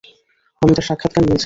আমি তার সাক্ষাৎকার নিয়েছিলাম।